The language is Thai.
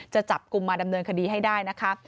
จะจับกลุ่มมาดำเนินคดีให้ได้นะคะ